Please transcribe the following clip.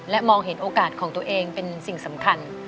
มองเห็นโอกาสของตัวเองเป็นสิ่งสำคัญ